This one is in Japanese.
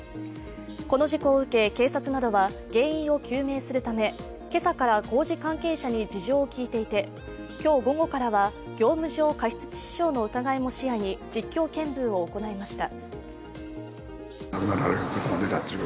この事故を受け、警察などは原因を究明するため今朝から工事関係者に事情を聞いていて、今日午後からは業務上過失致傷の可能性も視野に実況見分を行いました。